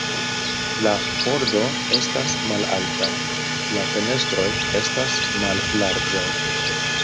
La pordo estas malalta, la fenestroj estas mallarĝaj.”